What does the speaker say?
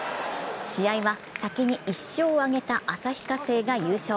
試合は、先に１勝を挙げた旭化成が優勝。